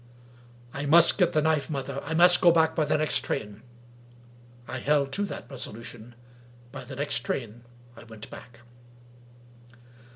" I must get the knife, mother. I must go back by the next train." I held to that resolution. By the next train I went back.